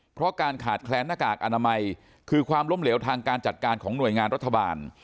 เพราะการขาดแคลนหน้ากากอนามัยคือความล้มเหลวทางการจัดการของหน่วยงานรัฐบาล